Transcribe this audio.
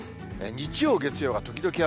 日曜、月曜が時々雨。